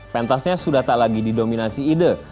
pentasnya sudah tak lagi didominasi ide